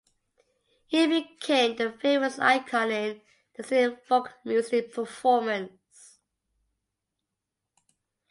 He became the famous icon in the Sindhi folk music performance.